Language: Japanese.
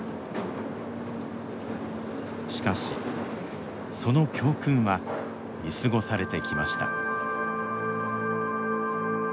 しかし、その教訓は見過ごされてきました。